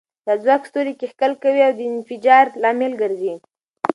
دا ځواک ستوري کښیکښل کوي او د انفجار لامل ګرځي.